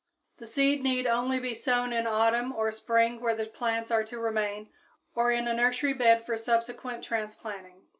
The seed need only be sown in autumn or spring where the plants are to remain or in a nursery bed for subsequent transplanting.